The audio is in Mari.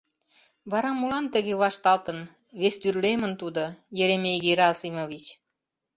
Вара молан тыге вашталтын, вестӱрлемын тудо, Еремей Герасимович?